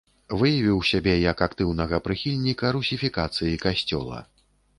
Выявіў сябе як актыўнага прыхільніка русіфікацыі касцёла.